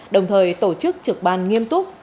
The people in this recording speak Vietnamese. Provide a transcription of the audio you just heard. đồng thời tổ chức trực ban nghiêm túc